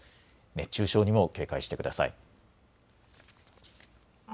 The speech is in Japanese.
熱中症にも警戒してください。